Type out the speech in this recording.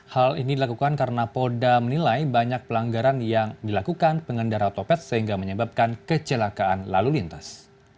hal ini dilakukan karena polda menilai banyak pelanggaran yang dilakukan pengendara otopet sehingga menyebabkan kecelakaan lalu lintas